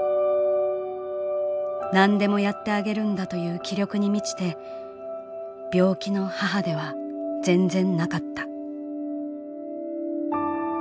何でもやってあげるんだという気力に満ちて病気の母では全然なかった」。